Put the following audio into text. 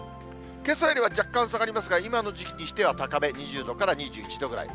けさよりは若干下がりますが、今の時期にしては高め、２０度から２１度ぐらい。